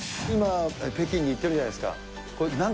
今、北京に行ってるじゃないですか。